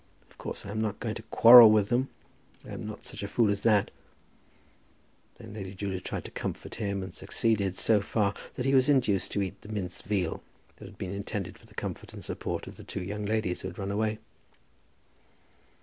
Of course I am not going to quarrel with them. I am not such a fool as that." Then Lady Julia tried to comfort him, and succeeded so far that he was induced to eat the mince veal that had been intended for the comfort and support of the two young ladies who had run away.